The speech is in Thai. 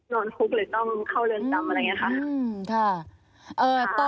คุกหรือต้องเข้าเรือนจำอะไรอย่างนี้ค่ะ